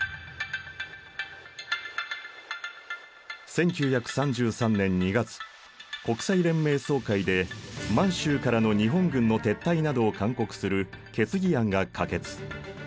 １９３３年２月国際連盟総会で満洲からの日本軍の撤退などを勧告する決議案が可決。